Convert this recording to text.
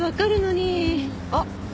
あっ！